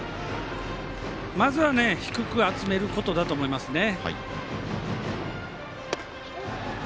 まずは低く集めることだと思いますね。